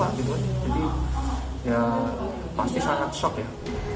jadi ya pasti sangat shock ya